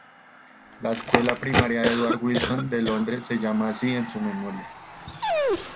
La escuela primaria Edward Wilson de Londres se llama así en su memoria.